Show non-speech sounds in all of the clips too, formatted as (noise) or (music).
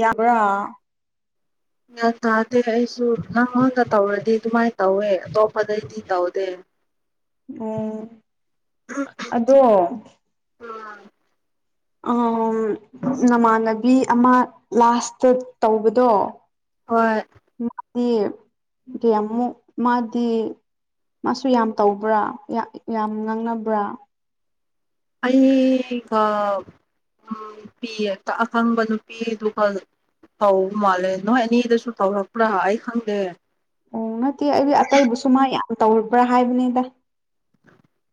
ꯌꯥꯕ꯭ꯔꯥ ꯒ꯭ꯌꯥꯟ ꯇꯥꯗꯦ ꯑꯩꯁꯨ ꯅꯪꯉꯣꯟꯗ ꯇꯧꯔꯗꯤ ꯑꯗꯨꯃꯥꯏꯅ ꯇꯧꯋꯦ ꯑꯇꯣꯞꯄꯗꯩꯗꯤ ꯇꯧꯗꯦ (inaudible) ꯑꫭ ꯑꯗꯣ ꯑꯝ ꯅꯃꯥꯟꯅꯕꯤ ꯑꯃ ꯂꯥꯁꯇ ꯇꯧꯕꯗꯣ ꯍꯣꯏ ꯃꯥꯗꯤ (unintelligible) ꯃꯥꯗꯤ ꯃꯥꯁꯨ ꯌꯥꯝ ꯇꯧꯕ꯭ꯔꯥ ꯌꯥ ꯌꯥꯝ ꯉꯥꯡꯅꯕ꯭ꯔꯥ ꯑꯩꯒ (unintelligible) ꯑꯈꯪꯕ ꯅꯨꯄꯤꯗꯨꯒ ꯇꯧꯕ ꯃꯥꯜꯂꯦ ꯅꯣꯏ ꯑꯦꯅꯤꯗꯁꯨ ꯇꯧꯔꯛꯄ꯭ꯔꯥ ꯑꯩ ꯈꯪꯗꯦ ꯑꯣ ꯅꯠꯇꯦ ꯑꯩꯗꯤ ꯑꯇꯩꯕꯨꯁꯨ ꯃꯥ ꯌꯥꯝ ꯇꯧꯔꯕ꯭ꯔꯥ ꯍꯥꯏꯕꯅꯤꯗ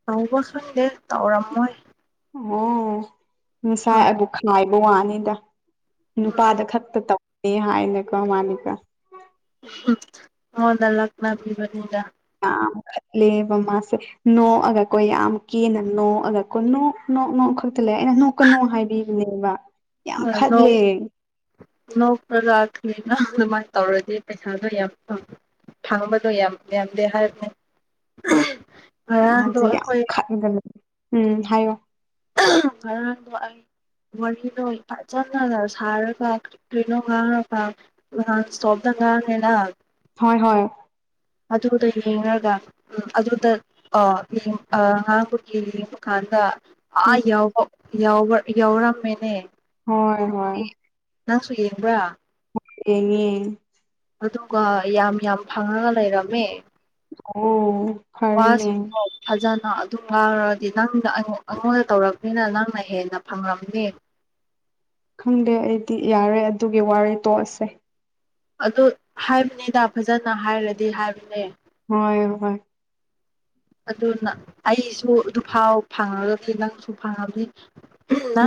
ꯇꯧꯕ ꯈꯪꯗꯦ ꯇꯧꯔꯝꯃꯣꯏ ꯑꯣ ꯍꯣꯏ (unintelligible) ꯑꯩꯕꯨ (unintelligible) ꯕꯋꯥꯅꯤꯗ ꯅꯨꯄꯥꯗ ꯈꯛꯇ ꯇꯧꯅꯤ ꯍꯥꯏꯅꯀꯣ (unintelligible) ꯃꯉꯣꯟꯗ ꯂꯛꯅꯕꯤꯕꯅꯤꯗ ꯌꯥꯝ ꯈꯠꯂꯦꯕ ꯃꯥꯁꯦ ꯅꯣꯛꯑꯒ ꯀꯣ ꯌꯥꯝ ꯀꯦꯅ ꯅꯣꯛꯑꯒ ꯀꯣ ꯅꯣꯛ ꯅꯣꯛ ꯅꯣꯛ ꯈꯛꯇ ꯂꯩ ꯑꯩꯅ ꯅꯣꯛ ꯀꯅꯣ ꯍꯥꯏꯕꯤꯕꯅꯦꯕ ꯌꯥꯝ ꯈꯠꯂꯦ (unintelligible) ꯅꯣꯛꯄꯗ (unintelligible) ꯑꯗꯨꯃꯥꯏꯅ ꯇꯧꯔꯗꯤ ꯄꯩꯁꯥꯗꯣ ꯌꯥꯝ (unintelligible) ꯐꯪꯕꯗꯣ ꯌꯥꯝ ꯌꯥꯝꯗꯦ ꯍꯥꯏꯕꯅꯦ ꯉꯔꯥꯡꯗꯣ ꯃꯥꯗꯤ ꯌꯥꯝ ꯑꯩꯈꯣꯏ ꯈꯟꯕꯅꯦ ꯎꯝ ꯍꯥꯏꯌꯣ (inaudible) ꯋꯥꯔꯤꯗꯣ ꯐꯠꯖꯅꯒ ꯁꯥꯔꯒ ꯀ ꯀ꯭ꯔꯤꯅꯣ ꯉꯥꯡꯔꯒ (unintelligible) ꯁ꯭ꯇꯣꯞꯇ ꯉꯥꯡꯉꯦꯅꯥ ꯍꯣꯏ ꯍꯣꯏ ꯑꯗꯨꯗꯒꯤ (unintelligible) ꯎꯝ ꯑꯗꯨꯗ ꯑ ꯑ ꯉꯥꯡꯕꯒꯤ ꯌꯦꯡꯕ ꯀꯥꯟꯗ ꯑꯥ ꯎꯝ ꯌꯥꯎꯕ ꯌꯥꯎꯕ ꯌꯥꯎꯔꯝꯃꯦꯅꯦ ꯍꯣꯏ ꯍꯣꯏ ꯅꯪꯁꯨ ꯌꯦꯡꯕ꯭ꯔꯥ ꯌꯦꯡꯉꯦ ꯑꯗꯨꯒ ꯌꯥꯝ ꯌꯥꯝ ꯐꯪꯔꯒ ꯂꯩꯔꯝꯃꯦ ꯑꯣ ꯋꯥꯁꯨ ꯐꯔꯅꯦ ꯐꯖꯅ ꯑꯗꯨꯝ ꯉꯥꯡꯔꯗꯤ ꯅꯪꯅ ꯑꯩꯉꯣ ꯑꯩꯉꯣꯟꯗ ꯇꯧꯔꯛꯅꯤꯅ ꯅꯪꯅ ꯍꯦꯟꯅ ꯐꯪꯔꯝꯃꯦ ꯈꯪꯗꯦ ꯑꯩꯗꯤ ꯌꯥꯔꯦ ꯑꯗꯨꯒꯤ ꯋꯥꯔꯤ ꯇꯣꯛꯑꯁꯦ ꯑꯗꯨ ꯍꯥꯏꯕꯅꯤꯗ ꯐꯖꯅ ꯍꯥꯏꯔꯗꯤ ꯍꯥꯏꯕꯅꯦ ꯍꯣꯏ ꯍꯣꯏ ꯑꯗꯨꯅ ꯑꯩꯁꯨ ꯑꯗꯨꯐꯥꯎ ꯐꯪꯉꯒꯗꯤ ꯅꯪꯁꯨ ꯐꯪꯉꯝꯅꯤ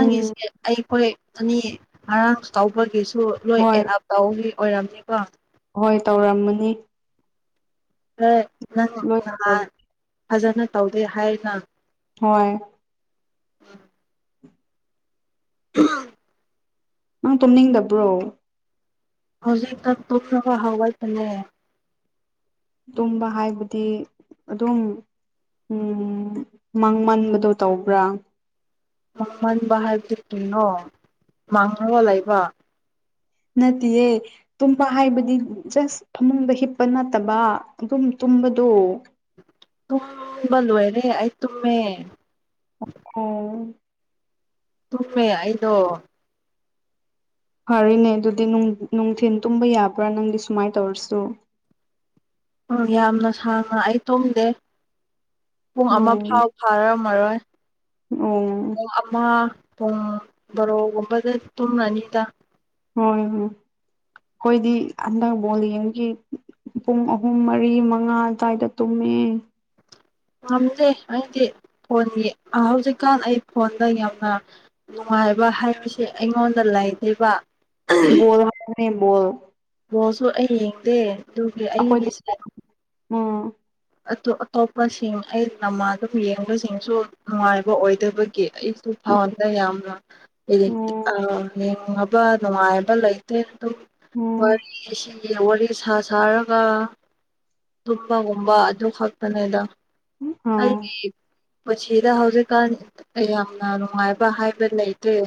ꯎꯝ ꯑꯩꯈꯣꯏ ꯑꯅꯤ ꯉꯔꯥꯡ ꯇꯧꯕꯒꯤꯁꯨ ꯂꯣꯏ ꯍꯣꯏ ꯑꯦꯗꯑꯞ ꯇꯧꯒꯤ ꯑꯣꯏꯔꯝꯅꯤꯀꯣ ꯍꯣꯏ ꯇꯧꯔꯝꯃꯅꯤ ꯍꯣꯏ ꯅꯪ ꯂꯣꯏ ꯇꯧꯔꯝ ꯉꯍꯥꯟ ꯐꯖꯅ ꯇꯧꯗꯦ ꯍꯥꯏꯅ ꯍꯣꯏ (unintelligible) ꯅꯪ ꯇꯨꯝꯅꯤꯡꯗꯕ꯭ꯔꯣ ꯍꯧꯖꯤꯛꯇ ꯇꯣꯛꯅꯕ ꯍꯋꯥꯏ ꯐꯅꯔꯦ ꯇꯨꯝꯕ ꯍꯥꯏꯕꯗꯤ ꯑꯗꯨꯝ ꯎꯝ ꯃꯪ ꯃꯟꯕꯗꯣ ꯇꯧꯕ꯭ꯔꯥ ꯃꯥꯡꯍꯟꯕ ꯍꯥꯏꯕꯕꯁꯤ ꯀꯩꯅꯣ ꯃꯥꯡꯍꯕ ꯂꯩꯕ ꯅꯌꯦ ꯇꯨꯝꯕ ꯍꯥꯏꯕꯗꯤ ꯖꯁ ꯐꯃꯨꯡꯗ ꯍꯤꯞꯄ ꯅꯠꯇꯕ ꯑꯗꯨꯝ ꯇꯨꯝꯕꯗꯣ ꯇꯨꯝꯕ ꯂꯣꯏꯔꯦꯑꯩ ꯇꯨꯝꯃꯦ ꯑꯝ ꯁꯨꯃꯤ ꯑꯩꯗꯣ ꯐꯔꯤꯅꯦ ꯑꯗꯨꯗꯤ ꯅꯨꯡꯊꯤꯟ ꯇꯨꯝꯕ ꯌꯥꯕ꯭ꯔꯥ ꯅꯪꯗꯤ ꯁꯨꯃꯥꯏꯅ ꯇꯧꯔꯁꯨ ꯎꯝ ꯌꯥꯝꯅ ꯁꯥꯡꯅ ꯑꯩ ꯇꯨꯝꯗꯦ ꯄꯨꯡ ꯑꯃ ꯐꯥꯎ ꯐꯥꯔꯔꯝꯃꯔꯣꯏ ꯑꯣꯝ ꯄꯨꯡ ꯑꯃ ꯄꯨꯡ ꯕꯥꯔꯣꯒꯨꯝꯕꯗ ꯇꯨꯡ ꯑꯅꯤꯗ ꯍꯣꯏ ꯍꯣꯏ ꯑꯩꯈꯣꯏꯗꯤ ꯍꯟꯗꯛ ꯕꯣ ꯌꯦꯡꯒꯤ ꯄꯨꯡ ꯑꯍꯨꯝ ꯃꯔꯤ ꯃꯉꯥ ꯑꯗꯨ꯭ꯋꯥꯏꯗ ꯇꯨꯝꯃꯦ ꯉꯝꯖꯩ ꯑꯩꯗꯤ ꯐꯣꯟꯒꯤ ꯍꯧꯖꯤꯛꯀꯥꯟ ꯑꯩ ꯐꯣꯟꯗ ꯌꯥꯝꯅ ꯅꯨꯡꯉꯥꯏꯕ ꯍꯥꯏꯕꯁꯤꯦ ꯑꯩꯉꯣꯟꯗ ꯂꯥꯏꯊꯩꯕ ꯣꯜ ꯍꯥꯏꯅꯤꯕꯣ ꯕꯣꯁꯨ ꯑꯩ ꯌꯦꯡꯗꯦ ꯑꯗꯨꯒꯤ ꯑꯩꯈꯣꯏꯗꯤ ꯑꯩꯒꯤꯁꯦ ꯎꯝ ꯑꯣ ꯑꯇꯣꯞꯄꯁꯤꯡ ꯑꯩ ꯅꯃꯥ ꯑꯗꯨꯝ ꯌꯦꯡꯕꯁꯤꯡꯁꯨ ꯅꯨꯡꯉꯥꯏꯕ ꯑꯣꯏꯗꯕꯒꯤ ꯀ ꯑꯩꯁꯨ ꯐꯥꯎꯗ ꯌꯥꯝꯅ ꯎꯝ ꯎꯝ ꯌꯦꯡꯉꯕ ꯅꯨꯡꯉꯥꯏꯕ ꯂꯩ ꯑꯗꯨ ꯍ ꯎꯝ ꯒꯤ ꯋꯥꯔꯤ ꯁꯥ ꯁꯥꯔꯒ ꯊꯠꯄꯒꯨꯝꯕ ꯑꯗꯨ ꯈꯛꯇꯅꯦꯗ ꯑꯥ ꯑꯗꯨꯦ ꯄꯨꯗ ꯍꯧꯖꯤꯛꯀꯥꯟ ꯌꯥꯝꯅ ꯅꯨꯡꯉꯥꯏꯕ ꯍꯥꯏꯕ ꯂꯩꯇ꯭ꯔꯦ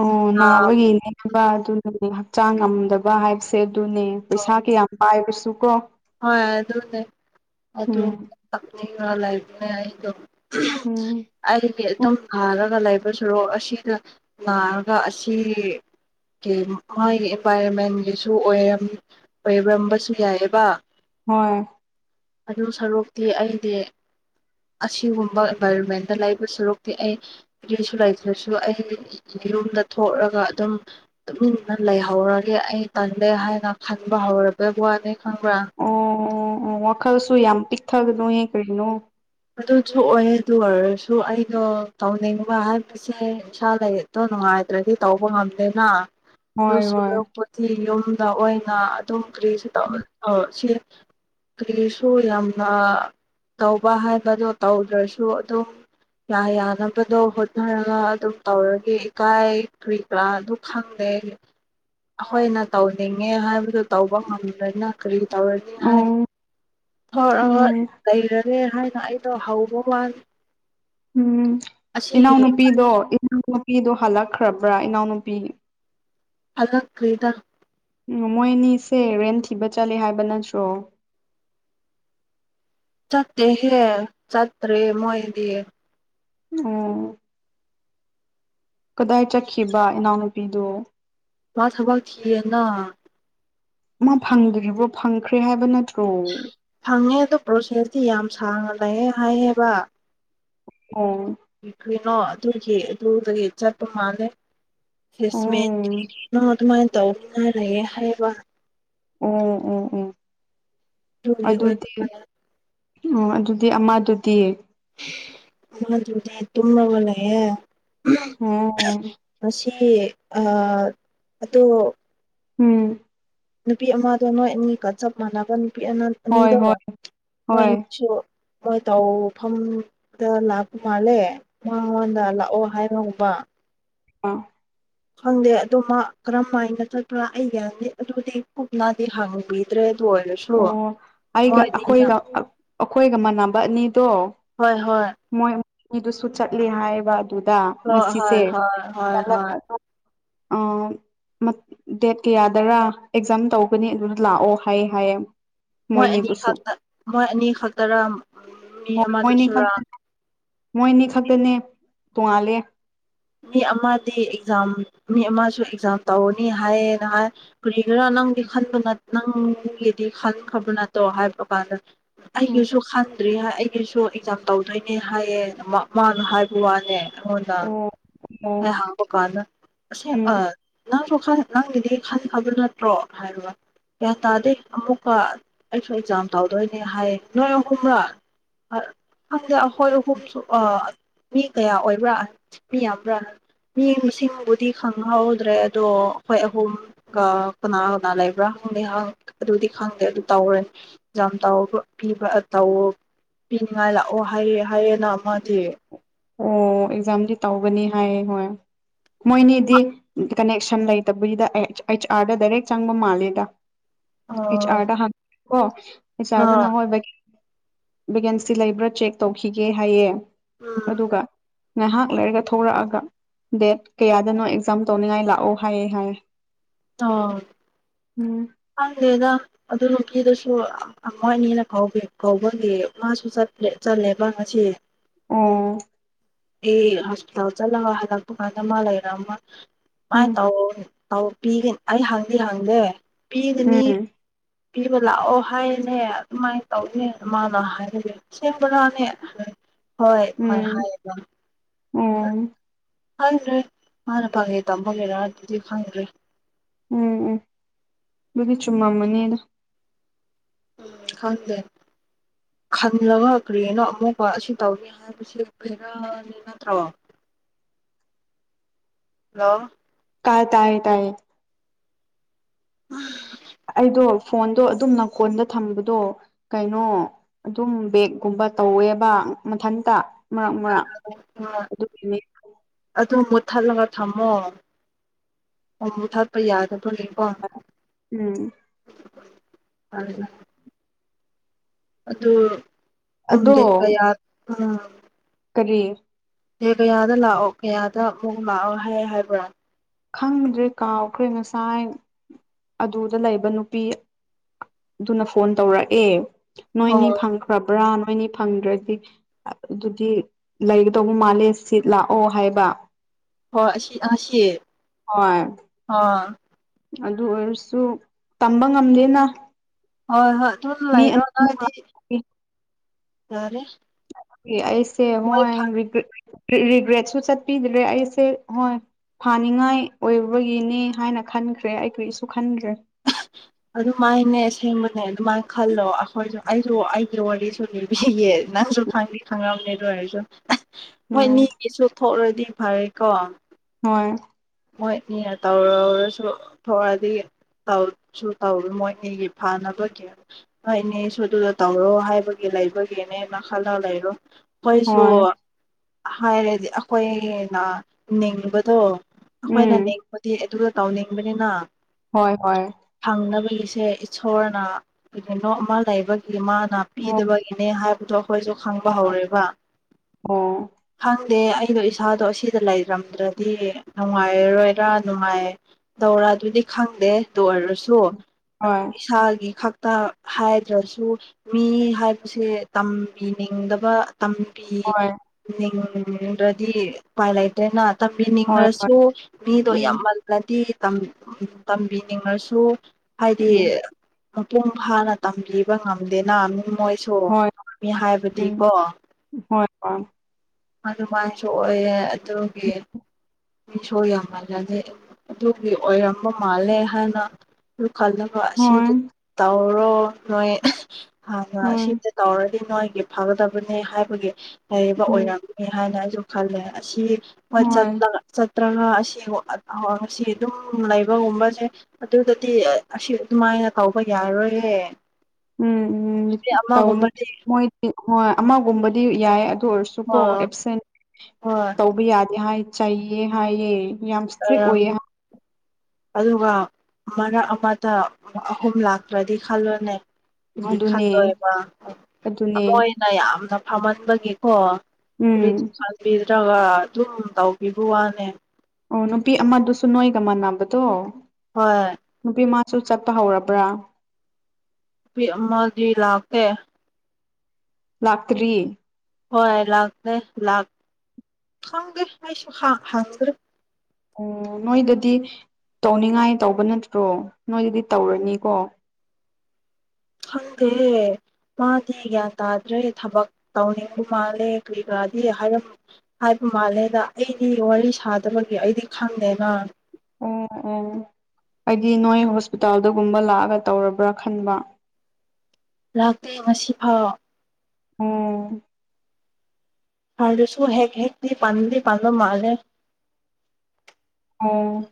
ꯑꯣ ꯑꯥ ꯅꯥꯕ ꯌꯦꯡꯅꯤꯡꯈꯤꯕ ꯑꯗꯨꯅꯅꯦ ꯍꯛꯆꯥꯡ ꯉꯝꯗꯕ ꯍꯥꯏꯕꯁꯦ ꯑꯗꯨꯅꯦ ꯄꯩꯁꯥ ꯀ ꯌꯥꯝ ꯄꯥꯏꯕꯁꯨ ꯀꯣ ꯍꯣꯏ ꯑꯗꯨꯅꯦ ꯎꯝ ꯑꯗꯨꯅꯤꯡꯕ ꯂꯥꯏꯅꯦ ꯑꯩꯗꯣ ꯎꯝ ꯑꯗꯤ ꯊꯝ ꯐꯔ ꯂꯩꯕ ꯁꯣꯔꯣꯛ ꯑꯁꯤꯗ ꯅꯥꯔꯒ ꯑꯁꯤ ꯃꯥꯒꯤ ꯑꯦꯟꯚꯥꯏꯔꯣꯟꯃꯦꯟꯒꯤꯁꯨ ꯑꯣꯏꯔꯝ ꯑꯣꯏꯔꯝꯕꯁꯨ ꯌꯥꯏꯑꯕ ꯍꯣꯏ ꯑꯗꯨ ꯁꯔꯨꯛꯇꯤ ꯑꯩꯗꯤ ꯑꯁꯤꯒꯨꯝꯕ ꯑꯦꯟꯚꯥꯏꯔꯣꯟꯃꯦꯟꯗ ꯂꯩꯕ ꯁꯔꯨꯛꯇꯤ ꯑꯩ ꯂꯁꯨ ꯂꯩꯥꯏꯁꯨꯁꯨ ꯑꯩ ꯌꯨꯝꯗ ꯊꯣꯛꯂꯒ ꯑꯗꯨꯝ ꯑꯗꯨꯅ ꯂꯩꯍꯧꯔꯒꯦ ꯑꯩ ꯇꯜꯗꯦ ꯍꯥꯏꯅ ꯈꯟꯕ ꯍꯧꯔꯕ ꯋꯥꯅꯤ ꯈꯪꯕ꯭ꯔꯥ ꯑꯣ ꯑꯣ ꯋꯥꯈꯜꯁꯨ ꯌꯥꯝ ꯄꯤꯛꯊꯒꯅꯨꯍꯦ ꯀꯔꯤꯅꯣ ꯑꯗꯨꯁꯨ ꯑꯣꯏ ꯑꯗꯨ ꯑꯣꯏꯔꯁꯨ ꯑꯩꯅ ꯇꯧꯅꯤꯡꯕ ꯍꯥꯏ ꯏꯁꯦ ꯏꯁꯥ ꯂꯔꯤꯛꯇꯣ ꯅꯨꯡꯉꯥꯏꯇ꯭ꯔꯗꯤ ꯇꯧꯕ ꯉꯝꯗꯦꯅ ꯍꯣꯏ ꯑꯗꯨꯁꯨ ꯍꯣꯏ ꯂꯧꯄꯣꯊꯤ ꯌꯨꯝꯗ ꯑꯣꯏꯅ ꯑꯗꯨ ꯀ꯭ꯔꯦꯁ ꯇ ꯁꯤ ꯀꯁꯨ ꯌꯥꯝꯅ ꯇꯧꯕ ꯍꯥꯏꯕꯗꯣ ꯇꯧꯗ꯭ꯔꯁꯨ ꯑꯗꯨꯝ ꯌꯥ ꯌꯥꯅꯕꯗꯣ ꯍꯣꯠꯅꯔꯒ ꯑꯗꯨꯝ ꯇꯧꯔꯒꯦ ꯏꯀꯥꯏꯈꯨ ꯥ ꯑꯗꯨ ꯈꯪꯗꯦ ꯑꯩꯈꯣꯏꯅ ꯇꯧꯅꯤꯡꯉꯦ ꯍꯥꯏꯕꯗꯨ ꯇꯧꯕ ꯉꯝꯗꯅ ꯀꯔꯤ ꯇꯧꯔꯅꯤ ꯑꯣ ꯍꯥꯏꯔꯒ ꯎꯝ ꯂꯩ ꯑꯦ ꯍꯥꯏꯅ ꯑꯩꯗꯣ ꯍꯧꯕ ꯋꯥ ꯎꯝ ꯏꯅꯥꯎꯅꯨꯄꯤꯗꯣ ꯏꯅꯥꯎꯅꯨꯄꯤꯗꯣ ꯍꯜꯂꯛꯈ꯭ꯔꯕ꯭ꯔꯥ ꯏꯅꯥꯎꯅꯨꯄꯤ ꯑꯗ ꯀ꯭ꯔꯤꯗꯥ ꯎ ꯃꯣꯏ ꯑꯅꯤꯁꯦ ꯔꯦꯟ ꯊꯤꯕ ꯆꯠꯂꯦ ꯍꯥꯏꯕ ꯅꯠꯇ꯭ꯔꯣ ꯆꯠꯇꯦꯍꯦ ꯆꯠꯇ꯭ꯔꯦ ꯃꯣꯏꯗꯤ ꯎꯝ ꯀꯗꯥꯏ ꯆꯠꯈꯤꯕ ꯏꯅꯥꯎꯅꯨꯄꯤꯗꯣ ꯃꯥ ꯊꯕꯛ ꯊꯤꯌꯦꯅ ꯃꯥ ꯐꯪꯗ꯭ꯔꯤꯕ꯭ꯔꯣ ꯐꯪꯈ꯭ꯔꯦ ꯍꯥꯏꯕ ꯅꯠꯇ꯭ꯔꯣ ꯐꯪꯉꯦ ꯑꯗꯨꯗꯣ ꯄ꯭ꯔꯣꯁꯦꯁꯇꯤ ꯌꯥꯝ ꯁꯥꯡꯅ ꯂꯩꯌꯦ ꯍꯥꯏꯌꯦꯕ ꯑꯣ ꯀꯩꯅꯣ ꯑꯗꯨꯒꯤ ꯑꯗꯨꯗꯒꯤ ꯆꯠꯄ ꯃꯥꯜꯂꯦ ꯏꯁꯃꯦ ꯑꯣ ꯑꯗꯨꯃꯥꯏꯅ ꯇꯧꯅꯔꯦ ꯍꯥꯏꯕ ꯎꯝ ꯎꯝ ꯎꯝ ꯑꯗꯨꯒꯤ ꯑꯗꯨꯗꯤ ꯑꯣ ꯑꯗꯨꯗꯤ ꯑꯃꯗꯨꯗꯤ ꯃꯥ ꯆꯗ ꯇ ꯋꯥꯂꯌꯦꯦ ꯑꯣ ꯃꯁꯤ ꯑꯣ ꯎꯝ ꯅꯨꯄꯤ ꯑꯃꯗꯣ ꯅꯣꯏ ꯑꯅꯤꯒꯠ ꯆꯞ ꯃꯥꯟꯅꯕ ꯅꯨꯄꯤ ꯑꯅ ꯍꯣꯏ ꯅꯤꯗꯣ ꯍꯣꯏ ꯍꯣꯏ ꯋꯥꯣꯏꯁꯨ ꯃꯣꯏ ꯇꯧꯐꯝꯗ ꯂꯥꯛꯄ ꯃꯥꯜꯂꯦ ꯃꯉꯣꯟꯗ ꯂꯥꯛꯑꯣ ꯍꯥꯏꯅꯧꯕ ꯑꯥ ꯈꯪꯗꯦ ꯑꯗꯣ ꯃꯥ ꯀꯔꯝ ꯍꯥꯏꯥꯏꯅ ꯆꯠꯄ꯭ꯔꯥ ꯑꯩ ꯌꯥꯅꯤ ꯑꯗꯨꯗꯤ ꯀꯨꯞꯅꯗꯤ ꯍꯥꯡꯕꯤ ꯗ꯭ꯔꯦ ꯑꯗꯨ ꯑꯣꯏꯔꯁꯨ ꯑꯣ ꯑꯩꯒ ꯃꯣꯏꯗꯤꯅ ꯑꯩꯈꯣꯏꯒ ꯑꯩꯈꯣꯏꯒ ꯃꯥꯟꯅꯕ ꯑꯅꯤꯗꯣ ꯍꯣꯏ ꯍꯣꯏ ꯃꯣꯏꯣꯏ ꯃꯤꯗꯨꯁꯨ ꯆꯠꯂꯤꯦ ꯍꯥꯏꯕ ꯑꯗꯨꯗ ꯍꯣꯏ ꯍꯣꯏ ꯉꯁꯤꯁꯦ ꯍꯣꯏ ꯍꯣꯏ ꯍꯣꯏ ꯑꯥ ꯗꯦꯠ ꯀꯌꯥꯗꯔꯥ ꯑꯦꯛꯖꯥꯝ ꯇꯧꯒꯅꯤ ꯑꯗꯨꯗ ꯂꯥꯛꯑꯣ ꯍꯥꯏꯌꯦ ꯍꯥꯏꯌꯦ ꯃꯣꯏ ꯃꯣꯏꯅꯤꯕꯨꯁꯨ ꯑꯅꯤꯈꯛꯇ ꯃꯣꯏ ꯑꯅꯤ ꯈꯛꯇꯔꯥ ꯃꯤ ꯍꯣꯏ ꯑꯃꯗꯨ ꯃꯣꯏꯅꯤ ꯁꯨꯔꯥ ꯈꯛꯇ ꯃꯣꯏꯅꯤ ꯈꯛꯇꯅꯦ ꯇꯣꯡꯉꯥꯜꯂꯦ ꯃꯤ ꯑꯃꯗꯤ ꯑꯦꯛꯖꯥꯝ ꯃꯤ ꯑꯃꯁꯨ ꯑꯦꯛꯖꯥꯝ ꯇꯧꯅꯤ ꯍꯥꯏꯌꯦꯅ ꯍꯥꯏ ꯀꯔꯤ ꯈꯔꯥ ꯅꯪꯗꯤ ꯈꯟꯕ ꯅꯪꯒꯤꯗꯤ ꯈꯟꯈ꯭ꯔꯕ ꯅꯠꯇ꯭ꯔꯣ ꯍꯥꯏꯕ ꯀꯥꯟꯗ ꯎꯝ ꯑꯩꯒꯤꯁꯨ ꯈꯟꯗ꯭ꯔꯤ ꯍꯥꯏ ꯑꯩꯒꯤꯁꯨ ꯑꯦꯛꯖꯥꯝ ꯇꯧꯗꯣꯏꯅꯦ ꯍꯥꯏꯌꯦ ꯃꯥꯅ ꯍꯥꯏꯕ ꯋꯥꯅꯦ ꯍꯗꯥ ꯑꯣ ꯑꯣ ꯍ ꯍꯥꯎꯕ ꯀꯥꯥꯟꯗ ꯑꯁꯤ ꯎꯝ ꯅꯪꯁꯨ ꯅꯪꯒꯤꯗꯤ ꯈꯟ ꯈꯕ ꯅꯠꯇ꯭ꯔꯣ ꯍꯥꯏꯔꯒ ꯒ꯭ꯌꯥꯟ ꯇꯥꯗꯦ ꯑꯃꯨꯛꯀ ꯑꯩꯁꯨ ꯑꯦꯛꯖꯥꯝ ꯇꯧꯗꯣꯏꯅꯦ ꯍꯥꯏꯌꯦ ꯅꯣꯏ ꯑꯍꯨꯝꯂꯥ ꯍꯪꯗꯦ ꯑꯩꯈꯣꯏ ꯑꯍꯨꯝꯁꯨ ꯃꯤ ꯀꯌꯥ ꯑꯣꯏꯕ꯭ꯔꯥ ꯃꯤ ꯌꯥꯝꯕ꯭ꯔꯥ ꯃꯤ ꯃꯁꯤꯡꯕꯨꯗꯤ ꯈꯪꯍꯧꯗ꯭ꯔꯦ ꯑꯗꯣ ꯑꯩꯈꯣꯏ ꯑꯍꯨꯝ ꯀꯅꯥ ꯀꯅꯥ ꯂꯩꯕ꯭ꯔꯥ ꯍꯪꯗꯦ ꯑꯗꯨꯗꯤ ꯈꯪꯗꯦ ꯑꯗꯨ ꯇꯧꯔꯅꯤ ꯌꯥꯝꯤꯕ ꯇꯑꯣ ꯄꯤꯅꯤꯡꯉꯥꯏ ꯂꯥꯛꯑꯣ ꯍꯥꯏꯌꯦ ꯍꯥꯏꯌꯦꯅ ꯑꯃꯗꯤ ꯑꯣ ꯑꯦꯛꯖꯥꯝꯗꯤ ꯇꯧꯒꯅꯤ ꯍꯥꯏꯌꯦ ꯍꯣꯏ ꯃꯣꯏꯅꯤꯗꯤ ꯀꯅꯦꯛꯁꯟ ꯂꯩꯇꯕꯒꯤꯗ ꯑꯩꯆ ꯑꯥꯔꯗ ꯗꯥꯏꯔꯦꯛ ꯆꯪꯕ ꯃꯥꯜꯂꯦꯗ ꯑ ꯆ ꯑꯔꯗ ꯍꯥꯟꯆꯥꯔꯗ ꯑ ꯅꯉꯣ ꯕꯦꯀꯦꯟꯁꯤ ꯂꯩꯕ꯭ꯔꯥ ꯆꯦꯛ ꯇꯧꯈꯤꯒꯦ ꯍꯥꯏꯌꯦ ꯎꯝ ꯑꯗꯨꯒ ꯉꯥꯏꯍꯥꯛ ꯂꯩꯔꯒ ꯊꯂꯛꯑꯒ ꯗꯦꯠ ꯀꯌꯥꯗꯅꯣ ꯑꯦꯛꯖꯥꯝ ꯇꯧꯅꯤ ꯍꯥꯏ ꯂꯥꯛꯑꯣ ꯍꯥꯏꯌꯦ ꯍꯥꯏꯌꯦ ꯑꯣ ꯎꯝ ꯍꯪꯗꯦꯗ ꯑꯗꯨ ꯅꯨꯄꯤꯠꯀꯤꯗꯨꯁꯨ ꯃꯣꯢꯅꯤꯅ ꯀꯧꯕ ꯀꯧꯕꯒꯤ ꯃꯥꯁꯨ ꯆꯠꯂꯦꯕ ꯉꯁꯤ ꯑꯣ ꯑꯦ ꯍꯣꯁꯄꯤꯇꯥꯜ ꯆꯠꯂꯒ ꯍꯜꯂꯛꯄ ꯀꯥꯟꯗ ꯃꯥ ꯂꯩꯔꯑꯝꯃ ꯀꯃꯥꯏꯅ ꯎꯝ ꯇꯧ ꯄꯥꯎ ꯄꯤ ꯑꯩ ꯍꯪꯗꯤ ꯍꯪꯗꯦ ꯄꯤꯒꯅꯤ ꯎꯝ ꯄꯤꯕ ꯂꯥꯛꯑꯣ ꯍꯥꯏꯅꯦ ꯑꯗꯨꯃꯥꯏꯅ ꯇꯧꯅꯦ ꯃꯥꯅ ꯍꯥꯏꯔꯒ ꯑꯁꯦꯡꯕꯔꯥꯅꯦ ꯍꯣꯏ ꯃꯣꯏ ꯎꯝ ꯍꯥꯢꯌꯦ ꯎꯝ ꯈꯪꯗ꯭ꯔꯦ ꯃꯥꯅ ꯐꯒꯤ ꯇꯝꯕꯒꯤꯔꯥ ꯑꯗꯨꯗꯤ ꯈꯪꯗ꯭ꯔꯦ ꯎꯝ ꯎꯝ ꯑꯗꯨꯗꯤ ꯆꯨꯝꯃꯝꯃꯅꯤꯗ ꯍꯪꯗꯦ ꯍꯪꯂꯒ ꯀꯔꯤꯅꯣ ꯑꯃꯨꯛꯀ ꯑꯁꯤ ꯇꯧꯅꯤ ꯍꯥꯏꯕꯁꯦ ꯈꯔꯅꯤ ꯅꯠꯇ꯭ꯔꯣ ꯍꯜꯂꯣ ꯇꯥꯢꯌꯦ ꯇꯥꯢꯌꯦ ꯇꯥꯏꯌꯦ ꯎꯝ ꯑꯩꯗꯣ ꯐꯣꯟꯗꯣ ꯑꯗꯨꯝ ꯅꯥꯀꯣꯡꯗ ꯊꯝꯕꯗꯣ ꯀꯩꯅꯣ ꯑꯗꯨꯝ ꯕꯦꯛꯀꯨꯝꯕ ꯇꯧꯋꯦꯕ ꯃꯊꯟꯇ ꯃꯔꯛ ꯃꯔꯛ ꯑꯗꯨꯒꯤꯅꯤ ꯑꯗꯨ ꯃꯨꯊꯠꯂꯒ ꯊꯝꯃꯣ ꯎꯝ ꯃꯨꯊꯠꯄ ꯌꯥꯗꯕꯒꯤꯀꯣ ꯎꯝ ꯑꯗꯨ ꯑꯗꯣ ꯎꯗ ꯌꯥꯔ ꯎꯝ ꯀꯔꯤ ꯑꯦ ꯀꯌꯥꯗ ꯂꯥꯛꯑꯣ ꯀꯌꯥꯗ ꯑꯃꯨꯛ ꯂꯥꯛꯑꯣ ꯍꯥꯏ ꯍꯥꯏꯕ꯭ꯔꯥ ꯈꯪꯗ꯭ꯔꯦ ꯀꯥꯎꯈ꯭ꯔꯦ ꯉꯁꯥꯏ ꯑꯗꯨꯗ ꯂꯩꯕ ꯅꯨꯄꯤꯗꯨꯅ ꯐꯣꯟ ꯇꯧꯔꯛꯑꯦ ꯅꯣꯏꯅꯤ ꯍꯣꯏ ꯐꯪ ꯐꯪꯕ꯭ꯔꯥ ꯅꯣꯏꯅꯤ ꯐꯪꯗ꯭ꯔꯗꯤ ꯑꯗꯨꯗꯤ ꯂꯩꯒꯗꯧꯕ ꯃꯥꯜꯂꯦ ꯁꯤꯠ ꯂꯥꯛꯑꯣ ꯍꯥꯏꯕ ꯍꯣꯏ ꯑꯁꯤ ꯉꯁꯤ ꯍꯣꯏ ꯑ ꯑꯗꯨ ꯑꯣꯏꯔꯁꯨ ꯇꯝꯕ ꯉꯝꯗꯦꯅ ꯍꯣꯏ ꯍꯣꯏ ꯑꯗꯨꯝ ꯃꯤ ꯂꯩꯔꯣ ꯑꯅꯤꯃꯨꯛ ꯅꯣꯏꯗꯤ ꯌꯥꯔꯦ ꯑꯩꯁꯦ ꯃꯣꯏ ꯍꯣꯏ ꯔꯤꯒ꯭ꯔꯦꯠꯁꯨ ꯆꯠꯄꯤꯗ꯭ꯔꯦ ꯑꯩꯁꯦ ꯍꯣꯏ ꯐꯥꯅꯤꯡꯉꯥꯏ ꯑꯣꯏꯕꯒꯤꯅꯤ ꯍꯥꯏꯅ ꯈꯟꯈ꯭ꯔꯦ ꯑꯩ ꯀꯔꯤꯁꯨ ꯈꯟꯈ꯭ꯔꯦ ꯑꯗꯨꯃꯥꯏꯅꯦ ꯑꯁꯦꯡꯕꯅꯦ ꯑꯗꯨꯃꯥꯏꯅ ꯈꯜꯂꯣ ꯑꯩꯈꯣꯏꯁꯨ ꯑꯩꯁꯨ ꯑꯩꯒꯤ ꯋꯥꯔꯤꯁꯨ ꯂꯤꯕꯤꯒꯦ ꯅꯪꯁꯨ ꯈꯪꯗꯤ ꯈꯪꯉꯝꯅꯤ ꯑꯗꯨꯑꯣꯢꯔꯁꯨ ꯍꯣꯏ ꯎꯝ ꯃꯤꯒꯤꯁꯨ ꯊꯣꯛꯂꯗꯤ ꯐꯔꯦꯀꯣ ꯍꯣꯏ ꯃꯣꯏ ꯃꯤꯅ ꯇꯧꯔꯨꯔꯁꯨ ꯊꯣꯛꯑꯗꯤ ꯇꯧꯁꯨ ꯇꯧꯔꯣꯢ ꯃꯣꯏꯅꯤꯒꯤ ꯐꯅꯕꯒꯤ ꯅꯣꯏ ꯑꯅꯤꯁꯨ ꯑꯗꯨꯗ ꯇꯧꯔꯣ ꯍꯥꯏꯕꯒꯤ ꯂꯩꯕꯒꯤꯅꯦꯅ ꯈꯜꯂꯒ ꯂꯩꯔꯣ ꯑꯩꯈꯣꯏꯁꯨ ꯍꯣꯏ ꯍꯥꯏꯔꯗꯤ ꯑꯩꯈꯣꯏꯅ ꯅꯤꯡꯕꯗꯣ ꯑꯩꯈꯣꯏꯅ ꯎꯝ ꯅꯤꯡꯕꯗꯤ ꯑꯗꯨꯒ ꯇꯧꯅꯤꯡꯕꯅꯤꯅ ꯍꯣꯏ ꯍꯣꯏ ꯐꯪꯅꯕꯒꯤꯁꯦ ꯏꯁꯣꯔꯅ ꯀꯔꯤꯅꯣ ꯑꯃ ꯂꯩꯕꯒꯤ ꯃꯥꯅ ꯑꯣ ꯄꯤꯗꯕꯒꯤꯅꯦ ꯍꯥꯏꯕꯗꯣ ꯑꯩꯈꯣꯏꯁꯨ ꯈꯪꯕ ꯍꯧꯔꯦꯕ ꯑꯣ ꯈꯪꯗꯦ ꯑꯩꯗꯣ ꯏꯁꯥꯗꯣ ꯑꯁꯤꯗ ꯂꯩꯔꯝꯗ꯭ꯔꯗꯤ ꯅꯨꯡꯉꯥꯏꯔꯣꯏꯔ ꯅꯨꯡꯉꯥꯏꯗꯧꯔꯥ ꯑꯗꯨꯗꯤ ꯈꯪꯗꯦ ꯑꯗꯨ ꯑꯣꯏꯔꯁꯨ ꯍꯣꯏ ꯏꯁꯥꯒꯤ ꯈꯛ ꯇ ꯍꯥꯏꯗ꯭ꯔꯁꯨ ꯃꯤ ꯍꯥꯏꯕꯁꯦ ꯇꯝꯕꯤꯅꯤꯡꯗꯕ ꯍꯣꯏ ꯇꯝꯕꯤꯅꯤꯡꯕꯗꯤ ꯎꯄꯥꯏ ꯂꯩꯇꯦꯅ ꯍꯣꯏ ꯇꯝꯕꯤꯅꯤꯡꯉ꯭ꯔꯁꯨ ꯍꯣꯏ ꯃꯤꯗꯣ ꯎꯝ ꯌꯥꯝꯃꯜꯂꯗꯤ ꯇꯝꯕꯤꯅꯤꯡꯉꯁꯨ ꯍꯥꯏꯗꯤ ꯎꯝ ꯃꯄꯨꯡ ꯐꯥꯅ ꯇꯝꯕꯤꯕ ꯉꯝꯗꯦꯅ ꯃꯤ ꯃꯣꯏ ꯣ ꯍꯣꯏ ꯃꯤ ꯎꯝ ꯍꯥꯏꯕꯗꯤꯀꯣ ꯍꯣꯏ ꯍꯣꯏ ꯑꯗꯨꯗꯨ ꯃꯥꯁꯨ ꯑꯣꯏꯌꯦ ꯑꯗꯨꯒꯤ ꯃꯤꯁꯨ ꯌꯥꯝ ꯃꯥꯜꯍꯂꯦ ꯑꯗꯨꯒꯤ ꯑꯣꯏꯔꯝꯕ ꯃꯥꯜꯂꯦ ꯍꯥꯏꯅ ꯈꯜꯂ ꯑ ꯍꯣꯏ ꯑꯁꯤꯗ ꯇꯧꯔꯣ ꯅꯣꯏ ꯍꯥꯟꯅ ꯎꯝ ꯑꯁꯤꯗ ꯇꯧꯔꯗꯤ ꯅꯣꯏꯒꯤ ꯐꯒꯗꯕꯅꯤ ꯍꯥꯏꯕꯒꯤ ꯂꯩꯕ ꯎꯝ ꯑꯣꯏꯔꯝꯃꯤ ꯍꯥꯏꯅ ꯑꯩꯁꯨ ꯈꯜꯂꯦ ꯑꯁꯤ ꯃꯣꯏ ꯍꯣꯏ ꯆꯠꯄ ꯆꯠꯇ꯭ꯔꯒ ꯑꯁꯤ ꯉꯁꯤ ꯑꯗꯨꯝ ꯂꯩꯕꯒꯨꯝꯕꯁꯦ ꯑꯗꯨꯗꯗꯤ ꯑꯁꯤ ꯑꯗꯨꯃꯥꯏꯅ ꯀꯧꯕꯧꯕ ꯌꯥꯔꯣꯏꯦ ꯎꯝ ꯎꯝ ꯇꯧꯅꯤ ꯃꯣꯏꯗꯤ ꯍꯣꯏ ꯑꯃꯒꯨꯝꯕꯗꯤ ꯌꯥꯏ ꯑꯗꯨ ꯑꯣꯏꯔꯁꯨ ꯁꯨ ꯀꯣ ꯍꯣꯏ ꯑꯦꯞꯁꯦꯟ ꯍꯣꯏ ꯇꯧꯕ ꯌꯥꯗꯦ ꯍꯥꯏ ꯆꯩꯌꯦ ꯍꯥꯏꯌꯦꯦ ꯌꯥꯝꯁꯇ ꯑꯣꯏꯔꯝꯅꯤ ꯑꯣꯏ ꯑꯗꯨꯒ ꯃꯔꯛ ꯑꯃꯇ ꯑꯍꯨꯝ ꯂꯥꯛꯇ꯭ꯔꯗꯤ ꯈꯜꯂꯣꯅꯦ ꯍꯥꯏꯗꯤ ꯑꯗꯨꯅꯦ ꯑꯗꯨꯅꯦ ꯈꯟꯗꯣꯏꯕꯣꯏ ꯅ ꯌꯥꯝꯅ ꯐꯝꯍꯟꯕꯒꯤꯀꯣ ꯎꯝ ꯕꯤꯗ꯭ꯔꯒ ꯑꯗꯨꯝ ꯇꯧꯕꯤꯕ ꯋꯥꯅꯦ ꯑꯣ ꯅꯨꯄꯤ ꯑꯃꯗꯨꯁꯨ ꯅꯣꯏꯒ ꯃꯥꯟꯅꯕꯗꯣ ꯍꯣꯏ ꯅꯨꯄꯤ ꯃꯥꯁꯨ ꯆꯠꯄ ꯍꯧꯔꯕ꯭ꯔꯥ ꯃꯖꯤ ꯏꯥꯛꯀꯦ ꯂꯥꯛꯇ꯭ꯔꯤꯌꯦ ꯍꯣꯏ ꯂꯥꯛꯂꯦ ꯂꯥꯛ ꯈꯪꯒꯦꯁꯨ ꯍ꯭ꯔꯦ ꯎꯝ ꯅꯣꯏꯗꯗꯤ ꯇꯧꯅꯤꯡꯉꯥꯏ ꯇꯧꯕ ꯅꯠꯇ꯭ꯔꯣ ꯅꯣꯏꯗꯗꯤ ꯇꯧꯔꯅꯤꯀꯣ ꯐꯪꯗꯦ ꯃꯥꯗꯤ ꯒ꯭ꯌꯥꯟ ꯇꯥꯗ꯭ꯔꯦ ꯊꯕꯛ ꯇꯧꯅꯤꯡꯕ ꯃꯥꯜꯂꯦ ꯀꯔꯤ ꯀꯔꯥꯗꯤ ꯍꯥꯏꯔꯝꯃ ꯍꯥꯏꯕ ꯃꯥꯜꯂꯦꯗ ꯑꯩꯗꯤ ꯋꯥꯔꯤ ꯁꯥꯗꯕꯒꯤ ꯑꯩꯗꯤ ꯈꯪꯗꯦꯅ ꯑꯣ ꯑꯣ ꯍꯥꯏꯗꯤ ꯅꯣꯏ ꯍꯣꯁꯄꯤꯇꯥꯜꯗꯒꯨꯝꯕ ꯂꯥꯛꯑꯒ ꯇꯧꯔꯕ꯭ꯔꯥ ꯈꯟꯕ ꯂꯥꯛꯇꯦ ꯉꯁꯤ ꯐꯥꯎ ꯎꯝ ꯐꯔꯁꯨ ꯍꯦꯛ ꯍꯦꯛꯒꯗꯤ ꯄꯥꯟꯗꯤ ꯄꯥꯟꯂ ꯃꯥꯔꯦ ꯑ